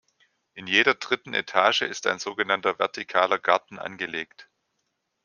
In jeder dritten Etage ist ein sogenannter vertikaler Garten angelegt.